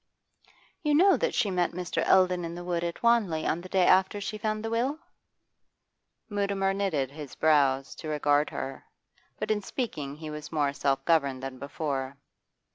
'You know that she met Mr. Eldon in the wood at Wanley on the day after she found the will?' Mutimer knitted his brows to regard her. But in speaking he was more self governed than before.